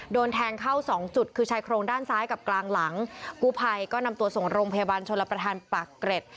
โดนแทงเข้าสองจุดคือชายโครงด้านซ้ายกับกลางหลังกู้ภัยก็นำตัวส่งโรงพยาบาลชนรับประทานปากเกร็ด